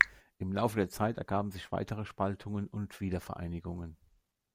Im Laufe der Zeit ergaben sich weitere Spaltungen und Wiedervereinigungen.